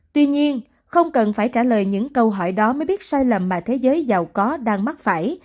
tuy nhiên không cần phải trả lời những câu hỏi đó mới biết sai lầm mà thế giới giàu có đang mắc phải